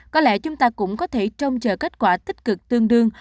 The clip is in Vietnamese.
có lẽ chúng ta cũng có thể trông chờ kết quả tích cực tương đương